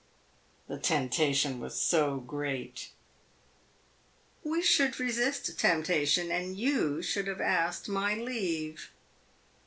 "The temptation was so great." "We should resist temptation. And you should have asked my leave."